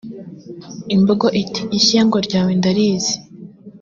Imbogo iti “Ishyengo ryawe ndarizi